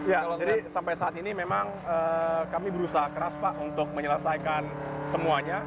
ya jadi sampai saat ini memang kami berusaha keras pak untuk menyelesaikan semuanya